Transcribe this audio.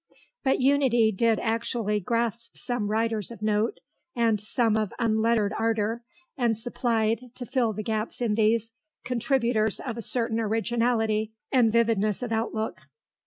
But Unity did actually grasp some writers of note, and some of unlettered ardour, and supplied, to fill the gaps in these, contributors of a certain originality and vividness of outlook.